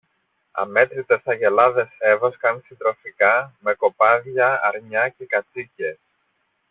Αμέτρητες αγελάδες έβοσκαν συντροφικά με κοπάδια αρνιά και κατσίκες.